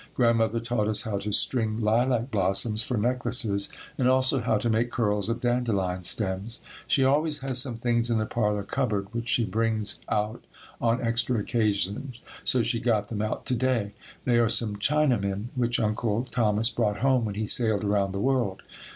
Grandmother taught us how to string lilac blossoms for necklaces and also how to make curls of dandelion stems. She always has some things in the parlor cupboard which she brings out on extra occasions, so she got them out to day. They are some Chinamen which Uncle Thomas brought home when he sailed around the world.